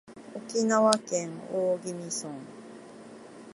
沖縄県大宜味村